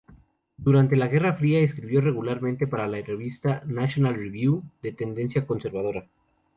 Durante la Guerra Fría escribió regularmente para la revista "National Review", de tendencia conservadora.